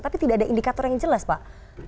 tapi tidak ada indikator yang jelas pak